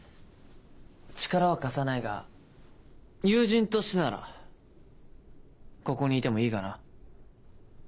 力は貸さないが友人としてならここにいてもいいがな。